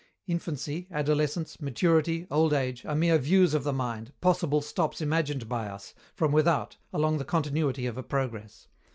Infancy, adolescence, maturity, old age, are mere views of the mind, possible stops imagined by us, from without, along the continuity of a progress.